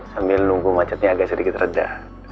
sambil nunggu macetnya agak sedikit reda